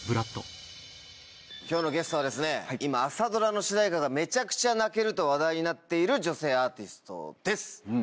今日のゲストは今朝ドラの主題歌がめちゃくちゃ泣けると話題になっている女性アーティストです！